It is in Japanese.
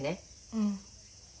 うん。